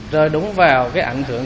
rơi đúng vào cái ảnh hưởng